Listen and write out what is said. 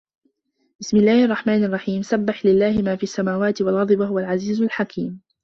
بِسمِ اللَّهِ الرَّحمنِ الرَّحيمِ سَبَّحَ لِلَّهِ ما فِي السَّماواتِ وَالأَرضِ وَهُوَ العَزيزُ الحَكيمُ